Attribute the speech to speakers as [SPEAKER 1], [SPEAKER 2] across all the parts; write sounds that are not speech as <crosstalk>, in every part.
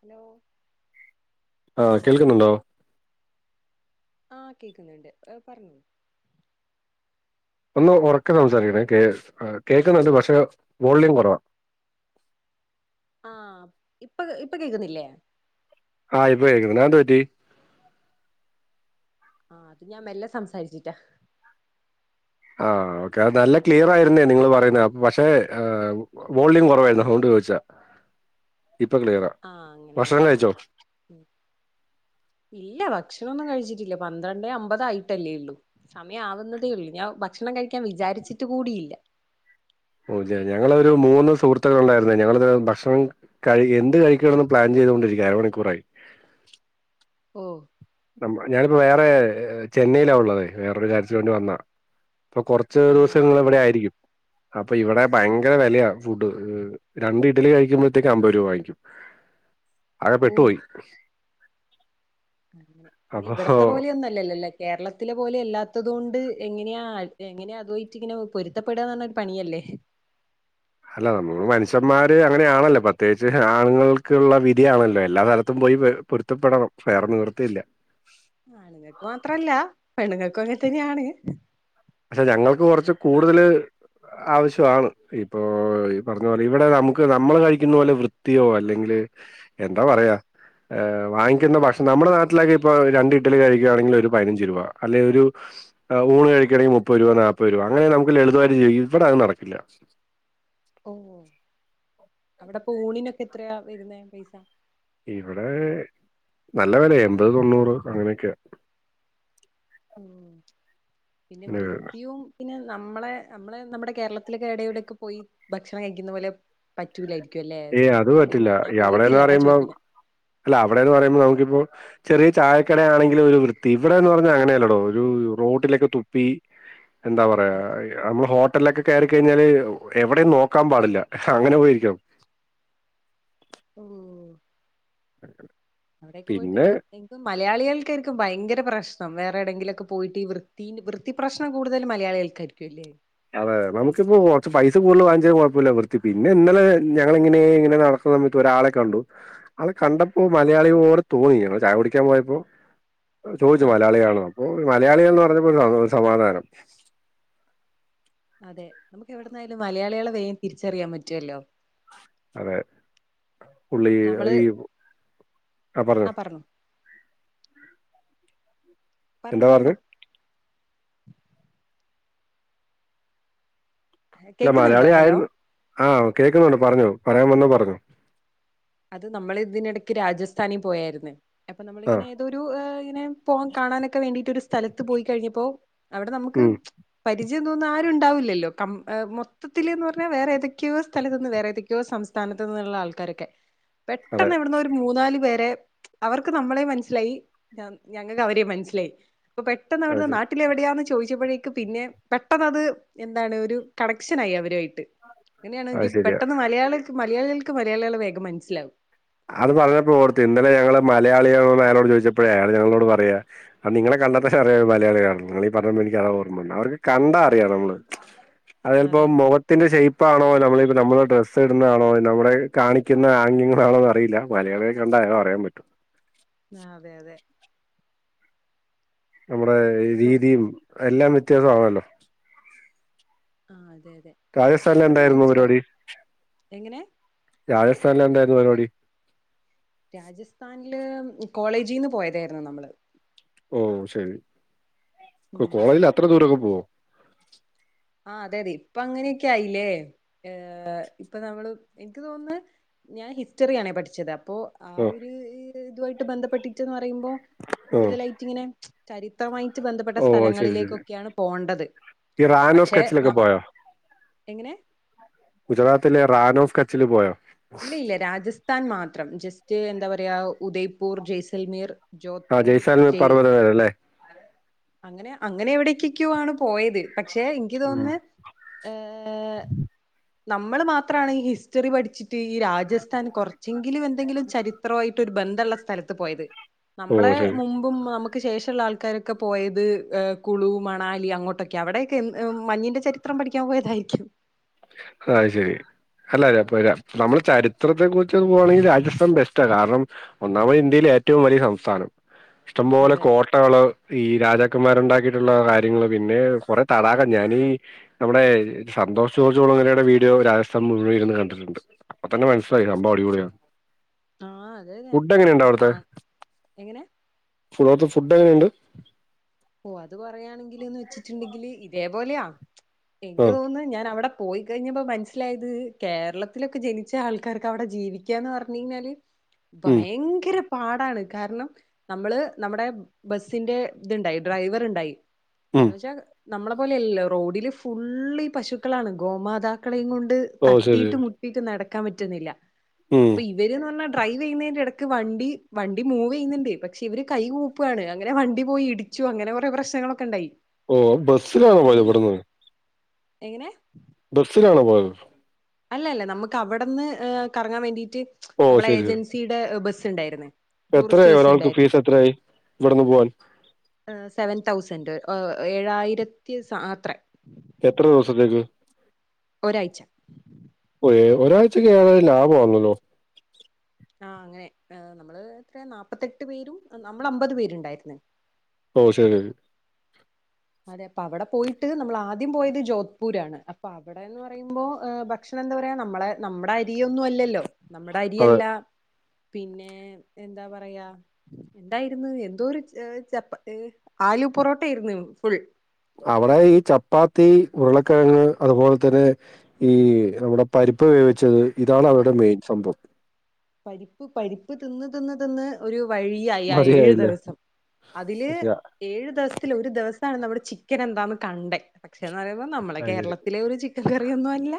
[SPEAKER 1] Hello
[SPEAKER 2] ആഹ കേൾക്കുന്നുണ്ടോ
[SPEAKER 1] ആഹ കേക്കുന്നുണ്ട് പറഞ്ഞോ
[SPEAKER 2] ഒന്ന് ഉറക്കെ
[SPEAKER 1] ഹലോ
[SPEAKER 2] സംസാരിക്കണേ കേ കേക്ക്ന്ന്ണ്ട് പക്ഷെ വോളിയം കുറവാ
[SPEAKER 1] ആഹ് ഇപ്പൊ ഇപ്പൊ കേൾക്കുന്നില്ലേ
[SPEAKER 2] ആഹ് ഇപ്പൊ കേക്കുന്നുണ്ട് അത്‌ എന്ത് പറ്റി
[SPEAKER 1] ആഹ് അത് ഞാൻ മെല്ലെ സംസാരിച്ചിട്ടാ
[SPEAKER 2] ആഹ് ഓക്കെ അത് നല്ല ക്ലിയർ ആയിരുന്നേ നിങ്ങള് പറയുന്നത് പക്ഷെ വോളിയം കുറവായിരുന്ന അതോണ്ട് ചോദിച്ചതാ ഇപ്പം ക്ലിയറാ
[SPEAKER 1] ആഹ് അങ്ങനെ അങ്ങനെ ഇല്ല ഭക്ഷണൊന്നും കഴിച്ചിട്ടില്ല പന്ത്രണ്ടേ അമ്പത് ആയിട്ടല്ലേ ഉള്ളൂ സമയം ആവുന്നതേ ഉള്ളൂ ഞാൻ ഭക്ഷണം കഴിക്കാൻ വിചാരിച്ചിട്ട് കൂടിയില്ല
[SPEAKER 2] ശെരി ഞങ്ങളൊരു മൂന്ന് സുഹൃത്തുക്കൾ ഉണ്ടായിരുന്നേ ഞങ്ങളിത് ഭക്ഷണം കഴി എന്ത് കഴിക്കണംന്ന് പ്ലാൻ ചെയ്തോണ്ടിരിക്കാ അരമണിക്കൂറായി
[SPEAKER 1] ഓ
[SPEAKER 2] ന ഞാനിപ്പോ വേറെ ചെന്നൈയിലാ ഉള്ളതേ വേറോരു കാര്യത്തിന് വേണ്ടി വന്നതാ ഇപ്പൊ കൊറച്ച്
[SPEAKER 1] ആ
[SPEAKER 2] ദിവസങ്ങൾ ഇവിടെ
[SPEAKER 1] അങ്ങനെയാണ്
[SPEAKER 2] ആയിരിക്കും അപ്പൊ ഇവിടെ ഭയങ്കര വെലയാ ഫുഡ് രണ്ട് ഇഡലി കഴിക്കുമ്പത്തേക്കും അമ്പത് രൂപ വാങ്ങിക്കും ആകെ
[SPEAKER 1] ഓ
[SPEAKER 2] പെട്ടു പോയി
[SPEAKER 1] അങ്ങനെ
[SPEAKER 2] അപ്പൊ
[SPEAKER 1] ഇവിടത്തെ പോലെ ഒന്നും അല്ലല്ലല്ലേ കേരളത്തിലെ പോലെ അല്ലാത്തതുകൊണ്ട് എങ്ങനെയാ എങ്ങനാ അതുവായിറ്റ് ഇങ്ങനെ പൊരുത്തപ്പെടാന്ന് പറഞ്ഞാ ഒരു പണിയല്ലേ
[SPEAKER 2] അല്ല നമ്മള് മനുഷ്യന്മാര് അങ്ങനെയാണല്ലോ പ്രത്യേകിച്ച് ആണുങ്ങൾക്കുള്ള വിധിയാണല്ലോ എല്ലാ സ്ഥലത്തും പോയി പെ പൊരുത്തപ്പെടണം വേറെ നിവർത്തിയില്ല
[SPEAKER 1] ആണുങ്ങക്ക് മാത്രം അല്ലാ പെണ്ണുങ്ങക്കും അങ്ങനെത്തന്നെയാണ്
[SPEAKER 2] പക്ഷെ ഞങ്ങൾക്ക് കൊറച്ച് കൂടുതല് ആവശ്യം ആണ് ഇപ്പൊ ഈ പറഞ്ഞ പോലെ ഇവിടെ നമുക്ക് നമ്മള് കഴിക്കുന്ന പോലെ വൃത്തിയോ അല്ലെങ്കില് എന്താ പറയാ ഏഹ് വാങ്ങിക്കുന്ന ഭക്ഷണം നമ്മുടെ നാട്ടിലൊക്കെ ഇപ്പൊ രണ്ട് ഇട്ടലി കഴിക്കാണെങ്കില് ഒരു പതിനഞ്ച് രൂപ അല്ലെ ഒരു ഊണ് കഴിക്കാണെങ്കില് മുപ്പത് രൂപ നാപ്പെത് രൂപ അങ്ങനെ നമുക്ക് ലളിതമായിട്ട് ജീവിക്കാ ഇവിടെ അത് നടക്കില്ല
[SPEAKER 1] ഓ അവിടെപ്പോ ഊണിനൊക്കെ എത്രയാ വരുന്നേ പൈസ
[SPEAKER 2] ഇവിടെ നല്ല വെലയാ എൺപത് തൊണ്ണൂറ് അങ്ങനൊക്കെയാ
[SPEAKER 1] ഉം പിന്നെ വൃത്തിയും പിന്നെ നമ്മളെ നമ്മള് നമ്മുടെ കേരളത്തിലൊക്കെ ഏടേം ഏടേലും ഒക്കെ പോയി ഭക്ഷണം കഴിക്കുന്ന പോലെ പറ്റൂലായിരിക്കും അല്ലേ
[SPEAKER 2] ഏയ് അത്
[SPEAKER 1] വൃത്തിന്റൊരു
[SPEAKER 2] പറ്റില്ല
[SPEAKER 1] ഞാൻ
[SPEAKER 2] ഈ
[SPEAKER 1] പോയിട്ടില്ല
[SPEAKER 2] അവിടെന്ന്
[SPEAKER 1] അതാ
[SPEAKER 2] പറയുമ്പോ
[SPEAKER 1] ചോയിക്ക്ണെ
[SPEAKER 2] അല്ല അവിടെന്ന് പറയുമ്പോ നമുക്കിപ്പോ ചെറിയ ചായക്കട ആണെങ്കിലും ഒരു വൃത്തി ഇവിടെന്ന് പറഞ്ഞാ അങ്ങനെയല്ലടോ ഒരു റോട്ടിലൊക്കെ തുപ്പി എന്താ പറയാ
[SPEAKER 1] അയ്യോ.
[SPEAKER 2] നമ്മള് ഹോട്ടലിലൊക്കെ കയറിക്കഴിഞ്ഞാല് എവിടെം നോക്കാൻ പാടില്ല അങ്ങനെ പോയിരിക്കണം
[SPEAKER 1] ഉം
[SPEAKER 2] <unintelligible>
[SPEAKER 1] അവിടെക്കെ പോയിട്ട്
[SPEAKER 2] പിന്നെ
[SPEAKER 1] ഇനിപ്പം മലയാളികൾക്കായിരിക്കും ഭയങ്കര പ്രശ്നം വേറെ ഏടെങ്കിലൊക്കെ പോയിട്ട് ഈ വൃത്തിന്റെ വൃത്തി ത്തി പ്രശ്നം കൂടുതലും മലയാളികൾക്കായിരിക്കും അല്ലേ
[SPEAKER 2] അതെ നമുക്കിപ്പോ കൊറച്ച് പൈസ കൂടുതൽ വാങ്ങിച്ചാല് കൊഴപ്പില്ല വൃത്തി പിന്നെ ഇന്നലെ ഞങ്ങളിങ്ങനെ ഇങ്ങനെ നട പ്പ വന്നിട്ട് ഒരാളെ കണ്ടു ആളെ കണ്ടപ്പോ മലയാളി പോലെ തോന്നി ചായ കുടിക്കാൻ പോയപ്പോ ചോദിച്ചു
[SPEAKER 1] ആഹ്
[SPEAKER 2] മലയാളി ആണോ അപ്പൊ മലയാളി എന്ന് പറഞ്ഞപ്പോ ഒരു സന്തോ സമാധാനം
[SPEAKER 1] അതെ നമുക്ക് എവിടുന്നായാലും മലയാളികളെ വേം തിരിച്ചറിയാൻ പറ്റുവല്ലോ
[SPEAKER 2] അതെ. പുള്ളി
[SPEAKER 1] നമ്മള്
[SPEAKER 2] ഈ ആഹ് പറഞ്ഞോ
[SPEAKER 1] പർണു
[SPEAKER 2] എന്താ
[SPEAKER 1] പർണോ
[SPEAKER 2] പറഞ്ഞെ അല്ല
[SPEAKER 1] കേക്കുന്നുണ്ടോ
[SPEAKER 2] മലയാളി
[SPEAKER 1] ഹലോ
[SPEAKER 2] ആയിരുന്നു ആഹ് കേൾക്കുന്നുണ്ട് പറഞ്ഞോ പറയാൻ വന്നത് പറഞ്ഞോ
[SPEAKER 1] അത് നമ്മൾ ഇതിന് എടക്ക് രാജസ്ഥാനി പോയായിരുന്നെ അപ്പൊ
[SPEAKER 2] ആഹ്
[SPEAKER 1] നമ്മളിങ്ങനെ തൊരു ഏഹ് ഇങ്ങനെ പോകാൻ കാണാനൊക്കെ വേണ്ടിട്ടൊരു സ്ഥലത്ത് പോയി കഴിഞ്ഞപ്പോ അവിടെ നമുക്ക്
[SPEAKER 2] ഉം
[SPEAKER 1] പരിചയം തോന്നുന്ന ആരും ഉണ്ടാവില്ലല്ലോ കം മൊത്തത്തില് ന്ന് പറഞ്ഞാ വേറെ ഏതൊക്കെയോ സ്ഥലത്ത് നിന്ന് വേറെ ഏതൊക്കെയോ സംസ് സ്ഥാനത്ത് നിന്നുള്ള ആൾക്കാരൊക്കെ
[SPEAKER 2] അതെ
[SPEAKER 1] പെട്ടെന്ന് എവിടെന്നോ ഒരു മൂന്നാല് പേരെ അവർക്ക് നമ്മളെം മനസ്സിലായി ഞങ്ങൾക്ക് അവരേം മനസ്സിലായി അപ്പ
[SPEAKER 2] അത്
[SPEAKER 1] പെട്ടെന്നവിടെന്ന്
[SPEAKER 2] ശ
[SPEAKER 1] നാട്ടില് എവിടെയാന്ന് ചോയിച്ചപ്പഴേക്കും പിന്നെ പെട്ടന്നത് എന്താണ് ഒരു കണക്ഷനായി അവരു ആയിട്ട്
[SPEAKER 2] അത്
[SPEAKER 1] അങ്ങനെയാണെൻക്ക്
[SPEAKER 2] ശരിയാ
[SPEAKER 1] പെട്ടെന്ന് മലയാളിക്ക് മലയാളികൾക്ക് മലയാളികളെ വേഗം മനസ്സിലാവും
[SPEAKER 2] അത് പറഞ്ഞപ്പളാ ഓർത്തേ ഇന്നലെ ഞങ്ങള് മലയാളിയാണോന്ന് അയാളോട് ചോയിച്ചപ്പഴേ അയാള് ഞങ്ങളോട് പറയാ അത് നിങ്ങളെ കണ്ടാ തന്നെ അറിയാ മലയാളി ആണെന്ന് നിങ്ങളീ പറഞ്ഞപ്പം എനിക്കതാ ഓർമ്മ വന്നേ അവർക്ക് കണ്ടാ അറിയാം നമ്മള് അത്
[SPEAKER 1] അതെ
[SPEAKER 2] ചെലപം മൊഖ ത്തിന്റെ ഷെയ്പ്പാണോ നമ്മളിപ്പം നമ്മള് ഡ്രസ് ഇടുന്ന ആണോ നമ്മുടെ കാണിക്കുന്ന ആംഗ്യങ്ങളാണോ ന്ന് അ റിയില്ല. മലയാളിയെ കണ്ടാ <unintelligible> അറിയാൻ പറ്റും
[SPEAKER 1] ആഹ് അതെ അതെ
[SPEAKER 2] നമ്മുടെ
[SPEAKER 1] അപ്പൊ
[SPEAKER 2] രീതിയും എല്ലാം വ്യത്യാസം ആണല്ലോ
[SPEAKER 1] ആഹ് അതെ അതെ പെട്ടെന്ന്
[SPEAKER 2] രാജസ്ഥാനിലെന്തായ്രുന്നു
[SPEAKER 1] മനസ്സിലാവും
[SPEAKER 2] പരിപാടി?
[SPEAKER 1] എങ്ങനെ
[SPEAKER 2] രാജസ്ഥാനിലെന്തായ്രുന്നു പരിപാടി?
[SPEAKER 1] രാജസ്ഥാൻല് കോളേജീന്ന് പോയതേര്ന്നു നമ്മള്
[SPEAKER 2] ഓഹ് ശരി. കൊ
[SPEAKER 1] ഉം അങ്ങനെ
[SPEAKER 2] കോളേജില് അത്ര ദൂരൊക്കെ പോവോ?
[SPEAKER 1] ആഹ് അതെയതെ. ഇപ്പങ്ങനെയൊക്കായില്ലേ. ഏഹ് ഇപ്പം നമ്മള് എനിക്ക് തോന്നുന്ന് ഞാ ഹിസ്റ്ററിയാണേ പഠിച്ചത് അപ്പോ ആ
[SPEAKER 2] ആഹ്
[SPEAKER 1] ഒര് ഹ് ഹ് ഇതുവായ്ട്ട് ബന്ധപ്പെട്ടിട്ട് ന്ന് പറയുമ്പോ
[SPEAKER 2] ആഹ്
[SPEAKER 1] കൂടുതലായ്റ്റിങ്ങനെ ചരിത്രമായിറ്റ് ബന്ധപ്പെട്ട
[SPEAKER 2] ഓ ശരി ശരി
[SPEAKER 1] സ്ഥലങ്ങളിലേക്കൊക്കെയാണ് പോണ്ടത്
[SPEAKER 2] ഈ റാൻ ഓഫ്
[SPEAKER 1] പക്ഷേ
[SPEAKER 2] കച്ചിലൊക്കെ
[SPEAKER 1] ന
[SPEAKER 2] പോയോ
[SPEAKER 1] എങ്ങനെ
[SPEAKER 2] ഗുജറാത്തിലെ റാനോഫ് കച്ചില് പോയോ
[SPEAKER 1] ഇല്ല ഇല്ല രാജസ്ഥാൻ മാത്രം ജസ്റ്റ് എന്താ പറയാ ഉദയ്പൂർ ജയ്സൽമീർ ജോധ്പൂർ ജയ്
[SPEAKER 2] <unintelligible> ല്ലേ
[SPEAKER 1] അങ്ങനെ അങ്ങനെ എവിടെകെക്കോ ആണ് പോയത് പക്ഷെ ഇൻക്ക്
[SPEAKER 2] ഉം.
[SPEAKER 1] തോന്ന്ന്ന് ഏഹ് നമ്മള് മാത്രാണ് ഈ ഹിസ്റ്ററി പഠിച്ചിട്ട് ഈ രാജസ്ഥാൻ കൊർച്ചെങ്കിലു എന്തെങ്കിലു ചരി ത്രോ ആയിട്ടൊരു ബന്ധള്ള സ്ഥലത്ത് പോയത്
[SPEAKER 2] ഓ
[SPEAKER 1] നമ്മളെ
[SPEAKER 2] ശരി
[SPEAKER 1] മുമ്പും മമ്മക്ക് ശേഷള്ള ആൾക്കാരൊക്കെ പോയത് എഹ് കുളു മണാലി അങ്ങോട്ടൊക്ക്യാ. അവിടെ ഒക്കെ എൻ ഉം മഞ്ഞിന്റെ ചരിത്രം പഠിക്ക്യാൻ പോയതായിരിക്കും
[SPEAKER 2] ഹൊ അഹ്ശരി അല്ല ഞാപ്പ വരാം നമ്മള് ചരിത്രത്തെ കുറിച്ച് പോവാണെങ്കി രാജസ്ഥാൻ ബെസ്റ്റാ കാരണം ഒന്നാമത് ഇന്ത്യയിലേറ്റവും വലിയ സംസ്ഥാനം ഇഷ്ടംപോലെ
[SPEAKER 1] അതെ
[SPEAKER 2] കോ ട്ടകൾ ഈ രാജാക്കമ്മാരുണ്ടാക്കീട്ടുള്ള കാര്യങ്ങള് പിന്നെ കൊറെ തടാകം ഞാനീ നമ്മുടേ സന്തോഷ് ജോർജ് കുളങ്ങരയുടെ വീഡിയോ രാജസ്ഥാൻ മുഴുവൻ ഇര്ന്ന് കണ്ടിട്ട്ണ്ട് അപ്പ തന്നെ മൻസ്‌ലായി സംഭവം അടിപൊളിയാണ്
[SPEAKER 1] ആഹ് അതെന്നെ.
[SPEAKER 2] ഫുഡ് എങ്ങനെയുണ്ട്
[SPEAKER 1] കാൺ എങ്ങനെ?
[SPEAKER 2] <unintelligible> ഫുഡ്ഡെങ്ങനേണ്ട്?
[SPEAKER 1] ഓഹ് അത് പറയാണെങ്കില്ന്ന് വെച്ചിട്ട്ണ്ടെങ്കില് ഇതേപോലെയാ എൻക്ക്
[SPEAKER 2] ആ
[SPEAKER 1] തോന്ന്ന്ന് ഞാനവട പോയ്കയ്ഞ്ഞപ്പം മൻസ്സ്ലായത് കേരളത്തിലൊക്കെ ജനിച്ച ആൾക്കാർക്കവടെ ജീവിക്കാന്ന് പറഞ്ഞയ്ഞ്ഞാല്
[SPEAKER 2] ഉം
[SPEAKER 1] ഭയങ്കര പാടാണ് കാരണം നമ്മള് നമ്മടെ ബസ്സിന്റെ ഇത്ണ്ടായി ഡ്രൈവർ ഇണ്ടായി
[SPEAKER 2] ഉം
[SPEAKER 1] അതെന്ന്വെച്ചാ നമ്മളെ പോലെയല്ലോ റോഡില് ഫുള്ളീ പശുക്കളാണ് ഗോമാതാക്കളെയും കൊണ്ട്
[SPEAKER 2] ഓ ശരി
[SPEAKER 1] തട്ടീട്ടും മുട്ടീട്ടും നടക്കാൻ പറ്റ്ന്നില്ല
[SPEAKER 2] ഉം
[SPEAKER 1] അപ്പീ ഇവര്ന്ന്പർഞ്ഞ ഡ്രൈവെയ്ന്നീന്റടക്ക് വണ്ടി വണ്ടി മൂവെയ്ന്ന്ണ്ട് പക്ഷേവര് കൈകൂ പ്പാണ് അങ്ങനെ വണ്ടി പോയിടിച്ചു അങ്ങനെ കൊറെ പ്രശ്നങ്ങളൊക്കെണ്ടായി.
[SPEAKER 2] ഓ ബസ്സ്ലാണോ പോയതിവ്ട്ന്ന്?
[SPEAKER 1] എങ്ങനെ?
[SPEAKER 2] ബസ്സിലാണോ പോയത്.
[SPEAKER 1] അല്ലല്ല നമ്മക്കവടന്ന് ഏ കറങ്ങാ വേണ്ടീട്ട്
[SPEAKER 2] ഓ
[SPEAKER 1] നമ്മളെ ഏജൻസീടെ ബസ്സ്‌ ണ്ടായിര്ന്ന്.
[SPEAKER 2] എത്രയി ഒരാൾക്ക് ഫീസെത്രയായി ഇവട്ന്ന് പോവാൻ?
[SPEAKER 1] ഏ സെവൻ തൗസൻഡ് ഏഴായിരത്തി സ അത്ര.
[SPEAKER 2] എത്ര ദിവസത്തേക്ക്?
[SPEAKER 1] ഒരായ്ച്ച.
[SPEAKER 2] ഒരേ ഒരായ്ചക്കെയ്ക്ക് ഏയായി ലാഭണല്ലോ.
[SPEAKER 1] ആ അങ്ങനെ ഏ നമ്മള് ത്രെയാ നാപത്തെട്ട് പേരും നമ്മളമ്പത് പേര്ണ്ടായിര്ന്ന്.
[SPEAKER 2] ഓ ശെരിരി.
[SPEAKER 1] അതെ പ്പവടെ പോയ്ട്ട് നമ്മളാദ്യം പോയത് ജോധ്പൂരാണ് അപ്പവടെന്ന് പറയുമ്പോ ഭ ക്ഷണംന്ന്പറയാ നമ്മളെ നമ്മടെ അരിയൊന്നുല്ലല്ലോ മ്മടെ
[SPEAKER 2] അതെ
[SPEAKER 1] അരിയല്ല പിന്നെ എന്താ പറയാ. എന്തായ്ര്ന്ന് എന്തോരു ച്ച പ്പ ആലു പൊറോട്ടേര്ന്ന് ഫുൾ.
[SPEAKER 2] അവടെ ഈ ചപ്പാത്തി ഉരുളക്കെഴങ്ങ് അതുപോൽതന്നെ ഈ നമ്മടെ പരിപ്പ് വേവിച്ചത് ഇതാണ്
[SPEAKER 1] അതെ
[SPEAKER 2] അവടെ മെയിൻ സംഭവം.
[SPEAKER 1] പരിപ്പ് പരിപ്പ് തിന്ന് തിന്ന് തിന്ന് ഒരു വഴിയായി ആ ഏഴു
[SPEAKER 2] മതിയായില്ലേ
[SPEAKER 1] ദിവസം അതില്
[SPEAKER 2] അത്
[SPEAKER 1] ഏഴു ദിവസത്തിലൊരു ദിവസാണ് നമ്മുടെ ചിക്കനെന്താന്ന് കണ്ടേ പക്ഷേന്ന് പറയുമ്പോ നമ്മളെ
[SPEAKER 2] ശരി
[SPEAKER 1] കേരളത്തിലെ ഒരു ചിക് റിയൊന്നും അല്ല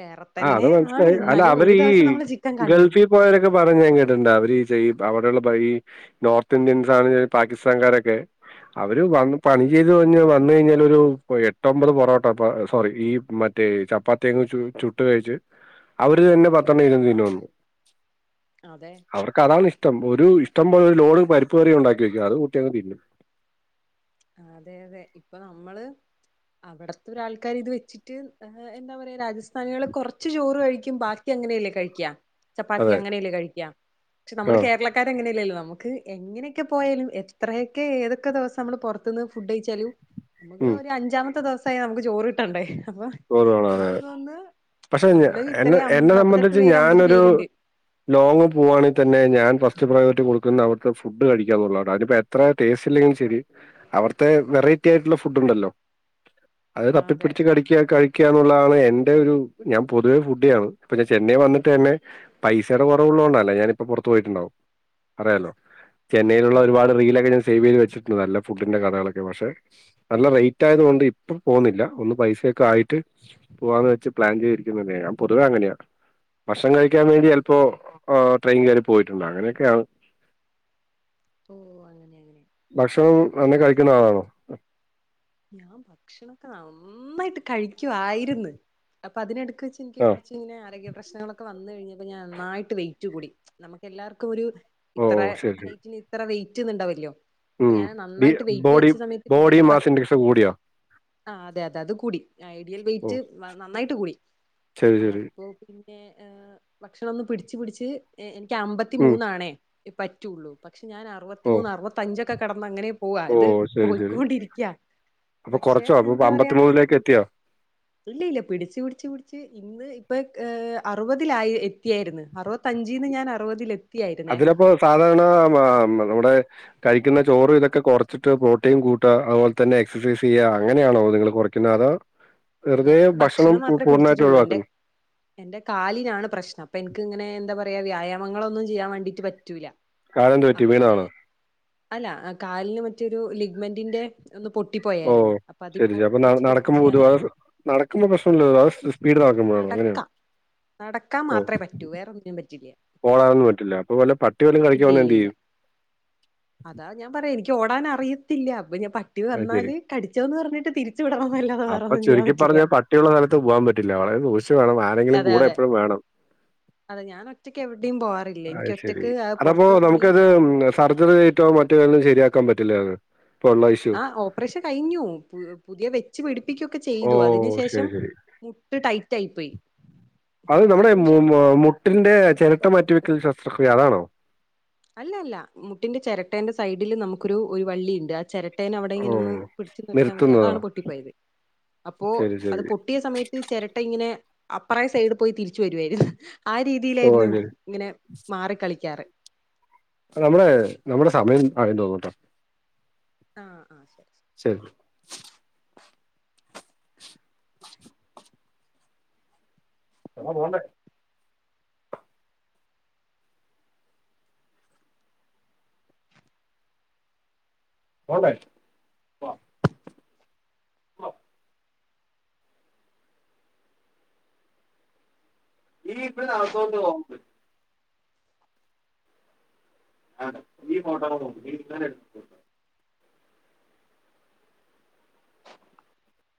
[SPEAKER 1] വേറെ
[SPEAKER 2] ആ അത്
[SPEAKER 1] തന്നെ ആണ്
[SPEAKER 2] അല്ല
[SPEAKER 1] എന്നാലും
[SPEAKER 2] അവര്
[SPEAKER 1] ഒരു
[SPEAKER 2] ഇ ഈ
[SPEAKER 1] ദിവസം നമ്മള് ചിക്കൻ കണ്ടു
[SPEAKER 2] ഗൾഫി പോയരൊക്കെ പറഞ്ഞ് ഞാൻ കേട്ടിണ്ട് അവര് ഈ ചെയ്അവടെള്ളപ്പം ഈ നോർത്ത് ഇന്ത്യൻ സാന ഈ പാക്കിസ്ഥാൻകാരൊക്കെ അവര് വന്ന് പണി ചെയ്ത്‌ ‌വന്ന് കഴിഞ്ഞാലൊരു എട്ടൊമ്പത് പൊറോട്ട സോറി ഈ മ ദേ ചപ്പാത്തി അങ് ചു ചുട് ട്ട് കയ്ച്ച് അവര് തന്നെപത്തെണ്ണം ഇരുന്ന് തിന്നുന്നു
[SPEAKER 1] അതെ
[SPEAKER 2] അവർക്കത്ണ് ഇ ഷ്ടം ഒരു ഇഷ്ടംപോലെ ഒരു ലോഡ് പരിപ്പുകറി ഉണ്ടാക്കി വെക്കും അതുകൂട്ടിയങ് തിന്നും.
[SPEAKER 1] അതെ അതെ ഇപ്പൊ നമ്മള് അവടത്തൊരാള്ക്കാര് ഇത് വെച്ചിട്ട് ഏ എന്താ പറയാ രാജ സ്ഥാനികള് കൊർച്ച് ചോറ് കഴിക്കും ബാക്കി അങ്ങനെയല്ലേ കഴിക്യാ. ചപ്പാത്തി
[SPEAKER 2] അതെ.
[SPEAKER 1] അങ്ങനെല്ലേ കഴിക്യാ പക്ഷെ
[SPEAKER 2] ആ.
[SPEAKER 1] നമ്മള് കേരള ആക്ക എങ്ങനെയല്ലല്ലോ നമുക്ക് ക്കാരങ്ങനെയല്ലല്ലോ നമ്മക്ക്‌ എങ്ങനെയൊക്കെ പോയാലുംഎത്രയൊക്കെ ഏതൊക്കെ ദിവസം നമ്മൾ പൊർ ത്ത്ന്ന് ഫുഡ് കയ്ച്ചാലും അമക്ക് ഒര് അഞ്ചാമത്തെ ദിവസായാ അ മ്ക്ക് ചോറ് കിട്ടണ്ടേ അപ്പൊ
[SPEAKER 2] ചോറുവേണംലെ
[SPEAKER 1] എനിക്ക് തോന്നുന്നു
[SPEAKER 2] പക്ഷെ
[SPEAKER 1] നമ്മള്
[SPEAKER 2] എന്നെ
[SPEAKER 1] ഇത്രയും അം-
[SPEAKER 2] എന്നെ
[SPEAKER 1] നാപ്പത്തെട്ട്
[SPEAKER 2] സംബന്ധിച്ച്
[SPEAKER 1] പേര് അമ്പത്
[SPEAKER 2] ഞാനൊരു
[SPEAKER 1] പേരുണ്ട്
[SPEAKER 2] ലോങ്ങ് പോവാണേ തന്നെ ഞാൻ ഫസ്റ്റ് പ്രയോറിറ്റി കൊട്ക്ക്ന്നെ അവിട്ത്തെ ഫുഡ് കഴിക്കന്നുള്ളടാ അയ്പ്പോഎ ത്ര ടേസ്റ്റ് ഇല്ലേലും ശെരി അവിട്ത്തെ വെറൈറ്റി ആയിട്ട്ള്ള ഫുഡ് ഇണ്ടല്ലോ അഹ്
[SPEAKER 1] ആ, അതെ
[SPEAKER 2] തപ്പിപിടിച് കടി ക്യാ കഴിക്യാഎന്നുള്ളതാണ് എന്റെയൊരു ഞാൻ പൊതുവെ ഫുഡിയാണ് ഇപ്പൊ ഞാൻ ചെന്നൈ വന്നിട്ട് തന്നെ പൈസേടെ കുറവുള്ളോണ്ട അല്ലേ ഞാനിപ്പം പൊർത്ത് പോയിട്ടുണ്ടാവും അറിയാലോ. ചെന്നൈയിലുള്ള
[SPEAKER 1] ഓ
[SPEAKER 2] ഒരുപാട് റീലൊക്കെ സേവ് ചെയ്ത് വച്ചിട്ടുണ്ട് നല്ല ഫുഡിന്റെ കടകളൊക്കെ പക്ഷെ നല്ല റേറ്റ് ആയത്കൊണ്ട് ഇപ്പം പോവുന്നില്ല ഒന്ന് പൈസ ക്കെ ആയിട്ട് പോവാന്ന് വെച്ച് പ്ലാൻ ചെയ്തിരിക്ക്ന്ന്ണ്ട് ഞാൻ പൊതുവെ അങ്ങനെയാ ഭക്ഷണം കഴിക്യാൻ വേണ്ടി ചെൽപ്പോ ഏ ട്രെയിൻ കേറി പോയിട്ടുണ്ട് അങ്ങനെയൊക്കെയാണ്. <inaudible>
[SPEAKER 1] ഓ അങ്ങനെ അങ്ങനെ.
[SPEAKER 2] ഭക്ഷണം നന്നേ കഴിക്ക്ന്ന ആളാണോ?
[SPEAKER 1] ഞാൻ ഭക്ഷണൊക്കെ നന്നായിട്ട് കഴിക്കുവായിരുന്നു അപ്പൊ അതിന് എടുക്ക് വെച്ച് എനിക്കും
[SPEAKER 2] ആഹ്
[SPEAKER 1] കുറച്ച് ഇങ്ങനെ ആരോഗ്യ പ്രശ്നങ്ങളൊക്കെ വന്ന് കഴിഞ്ഞപ്പോ ഞാൻ നന്നായിട്ട് വെയിറ്റ് കൂടി നമുക്ക് എല്ലാവർക്കും ഒരു
[SPEAKER 2] ഓ
[SPEAKER 1] ഇത്ര
[SPEAKER 2] ഓ ശരി ശരി.
[SPEAKER 1] ഹൈറ്റിന് ഇത്ര വെയിറ്റ് എന്നു ഇണ്ടാവല്ലോ
[SPEAKER 2] ഉം ബി ബോഡി ബോഡി മാസ് ഇന്റെസ് കൂടിയോ
[SPEAKER 1] ആ അതെ അതെ അത് കൂടി ഐഡിയൽ
[SPEAKER 2] ഓ
[SPEAKER 1] വെയ്റ്റ് നന്നായിട്ട് കൂടി
[SPEAKER 2] ശരി ശരി.
[SPEAKER 1] അപ്പൊ പിന്നെ ഏ ഭക്ഷണം ഒന്ന് പിടിച്ച് പിടിച്ച് എനിക്ക് അമ്പത്തി
[SPEAKER 2] ഉം.
[SPEAKER 1] മൂന്നാണേ പറ്റുള്ളൂ പക്ഷേ ഞാൻ
[SPEAKER 2] ഓ
[SPEAKER 1] അറുപത്തിമൂന്ന് അറുപത്തഞ്ചൊക്കെ കടന്ന് അങ്ങനെ പോവാ
[SPEAKER 2] ഓ
[SPEAKER 1] ഇത്
[SPEAKER 2] ശരി ശരി.
[SPEAKER 1] പോയിക്കൊണ്ടിരിക്കാ
[SPEAKER 2] അപ്പൊ
[SPEAKER 1] പക്ഷെ
[SPEAKER 2] കൊറച്ചോ? അപ്പൊ
[SPEAKER 1] എന്താ പറയാ
[SPEAKER 2] എത്തിയോ?
[SPEAKER 1] ഇല്ല ഇല്ല പിടിച്ച് പിടിച്ച് പിടിച്ച് ഇന്ന് ഇപ്പ് ക്ക് അറുപതിലായി എത്തിയാരുന്നു അറുപത്തോ അഞ്ചീന്ന് ഞാൻ അറുപതിൽ എത്തി
[SPEAKER 2] അതിലപ്പോ സാധാരണ നമ്മടെ കഴിക്കുന്ന ചോറും ഇതൊക്കെ കുറച്ച് ച്ചിട്ട് പ്രോട്ടീൻ കൂട്ടുക അതുപോലെ തന്നെ എക്സൈസ് ചെയ്യുക അങ്ങനെയാണോ നിങ്ങൾ കുറയ്ക്കുന്നത് അതോ വെറുതെ
[SPEAKER 1] ഞാൻ
[SPEAKER 2] ഭക്ഷണം
[SPEAKER 1] മാത്രമേ
[SPEAKER 2] പൂർണ്ണമായിട്ട്
[SPEAKER 1] പിടിച്ചിട്ടുള്ളൂ എന്റെ
[SPEAKER 2] ഒഴുവാക്കൊന്ന്
[SPEAKER 1] എന്റെ കാലിനാണ് പ്രശ്നം അപ്പൊ എനിക്ക് ഇങ്ങനെ എന്താ പറയാ വ്യായാമങ്ങളൊന്നും ചെയ്യാൻ വേണ്ടിട്ട് പറ്റൂല
[SPEAKER 2] കാലെന്ത് പറ്റി
[SPEAKER 1] അങ്ങനെ
[SPEAKER 2] വീണതാണോ?
[SPEAKER 1] അല്ല കാലിന് മറ്റൊരു ലിഗ്മെന്റിന്റെ ഒന്ന്
[SPEAKER 2] ഓ
[SPEAKER 1] പൊട്ടിപ്പോയായിരുന്നു അപ്പൊ
[SPEAKER 2] ശരി
[SPEAKER 1] അതിപ്പോ
[SPEAKER 2] ശരി. അപ്പൊ
[SPEAKER 1] വെച്ച്
[SPEAKER 2] നടക്കുമ്പോ
[SPEAKER 1] പിടിപ്പിച്ച്
[SPEAKER 2] പൊതുവെ
[SPEAKER 1] അങ്ങനെ
[SPEAKER 2] നടക്കുമ്പോ പ്രശ്നല്ലല്ലോ <unintelligible>
[SPEAKER 1] നടക്കാം നടക്കാൻ മാത്രമേ പറ്റൂ വേറൊന്നിനും പറ്റില്ല
[SPEAKER 2] ഓടാനൊന്നും പറ്റില്ല അപ്പൊ വല്ല പട്ടി വല്ലോം കടിക്കാൻ
[SPEAKER 1] ഇല്ല
[SPEAKER 2] വന്ന
[SPEAKER 1] ഇല്ല
[SPEAKER 2] എന്ത്
[SPEAKER 1] ഇല്ല
[SPEAKER 2] ചെയ്യും
[SPEAKER 1] അതാ ഞാൻ പറയാം എനിക്ക് ഓടാനാറിയത്തില്ല അപ്പൊ ഞാൻ പട്ടി
[SPEAKER 2] അത് ശരി.
[SPEAKER 1] വന്നാല് കടിച്ചൊന്നു പറഞ്ഞിട്ട് തിരി ച്ച് വിടൊന്നല്ലാതെ
[SPEAKER 2] അപ്പൊ
[SPEAKER 1] വേറൊന്നും ചെയ്യൻ
[SPEAKER 2] ചുരുക്കി
[SPEAKER 1] പറ്റില്ല
[SPEAKER 2] പറഞ്ഞാ പട്ടിയുള്ള സ്ഥലത്ത് പോകാൻ പറ്റില്ല വളരെ സൂശിച്ച് വേണം ആരെങ്കിലും
[SPEAKER 1] അതെ
[SPEAKER 2] കൂടെ
[SPEAKER 1] അതെ
[SPEAKER 2] എപ്പോഴും വേണം
[SPEAKER 1] അതെ ഞാൻ ഒറ്റയ്ക്ക് എവിടെയും പോവാറില്ല എനിക്ക്
[SPEAKER 2] അയിശരി
[SPEAKER 1] ഒറ്റക്ക് ആഹ്
[SPEAKER 2] അതപ്പോ
[SPEAKER 1] പുറത്തിറങ്ങി
[SPEAKER 2] നമുക്കത് നെ സർജറി ആയിറ്റോ മറ്റോ ശരിയാക്കാൻ പറ്റില്ലാന്ന് ഇപ്പോ ഉള്ള ഇഷ്
[SPEAKER 1] ആഹ് ഓപ്പറേഷൻ കഴിഞ്ഞു പുതിയ വെച്ച് പിടിപ്പിക്കൊക്കെ
[SPEAKER 2] ഓ!
[SPEAKER 1] ചെയ്തു അതിന് ശേഷം
[SPEAKER 2] ശരി, ശരി.
[SPEAKER 1] മുട്ട് ടൈറ്റ് ആയി പോയി
[SPEAKER 2] അത്
[SPEAKER 1] കം
[SPEAKER 2] നമ്മുടെ
[SPEAKER 1] അതെന്ന് വെച്ചാ
[SPEAKER 2] മുട്ടിന്റെ ചിരട്ട മാറ്റി വെക്കൽ ശസ്ത്രക്രിയ അതാണോ
[SPEAKER 1] അല്ല അല്ല മുട്ടിന്റെ ചിരട്ടേന്റെ സൈഡില് നമുക്കൊരു ഒരു വള്ളിയുണ്ട് ആ ചരട്ട ചരട്ടെന അവിടെ
[SPEAKER 2] ഓ!
[SPEAKER 1] ഇങ്ങനെന്ന് പിടിച്ചു നിർത്താൻ പറ്റിയ
[SPEAKER 2] നിർത്തുന്നതോ?
[SPEAKER 1] അതാണ് പൊട്ടിപ്പോയത് അപ്പോ
[SPEAKER 2] ശരി,
[SPEAKER 1] അത്
[SPEAKER 2] ശരി.
[SPEAKER 1] പോ പൊട്ടിയ സമയത്ത് ചരട്ട ഇങ്ങനെ അപ്പറേ സൈഡിൽ പോയി തിരിച്ചു വരുവായിയിരുന്നു ആ
[SPEAKER 2] ഓ!
[SPEAKER 1] രീതിയിലായിരുന്നു
[SPEAKER 2] അത് ശരി.
[SPEAKER 1] ഇങ്ങനെ മാറി കളിക്കാറ്
[SPEAKER 2] നമ്മടെ നമ്മടെ സമയം ആയി തോന്നൂട്ടോ
[SPEAKER 1] ആഹ് ആഹ് ശരി ശരി
[SPEAKER 2] ശരി എന്നാ പോൻണ്ടേ പോണ്ടേ ഇനി പ്പോ നടക്കേന്ന് തോന്നുന്നില്ല ആണ്ടെ നീ ഫോട്ടോ ലൊന്ന് നോക്ക് നീ ഇന്ന് തന്നെ എടുത്ത്